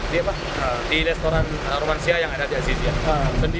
di restoran romansiyah yang ada di aziziyah